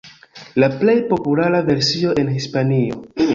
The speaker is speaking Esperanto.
La plej populara versio en Hispanio.